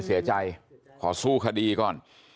เสียใจหรือไม่เสียใจขอสู้คดีก่อน